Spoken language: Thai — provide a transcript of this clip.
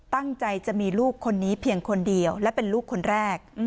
ตั้งใจจะมีลูกคนนี้เพียงคนเดียวและเป็นลูกคนแรก